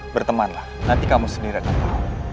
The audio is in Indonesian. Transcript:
bertemanlah nanti kamu sendiri akan pulang